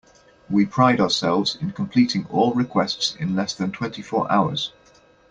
We pride ourselves in completing all requests in less than twenty four hours.